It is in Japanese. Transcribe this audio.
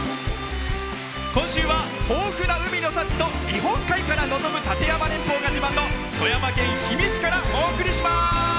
今週は豊富な海の幸と日本海から望む立山連峰が自慢の富山県氷見市からお送りします。